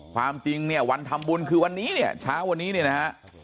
ความจริงวันทำบุญคือวันนี้เนี่ยเช้าวันนี้นะฮะ